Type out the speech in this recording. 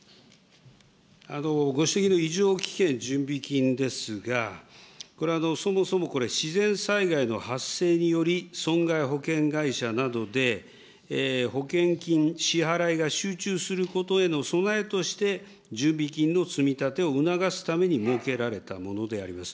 ご指摘の異常危険準備金ですが、これ、そもそも自然災害の発生により損害保険会社などで保険金支払いが集中することへの備えとして、準備金の積み立てを促すために設けられたものであります。